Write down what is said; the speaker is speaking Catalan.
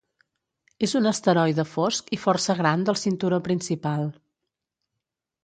És un asteroide fosc i força gran del cinturó principal.